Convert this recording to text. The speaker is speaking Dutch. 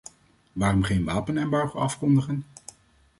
Waarom geen wapenembargo afkondigen?